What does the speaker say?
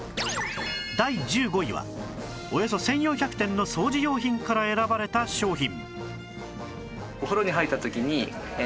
第１５位はおよそ１４００点の掃除用品から選ばれた商品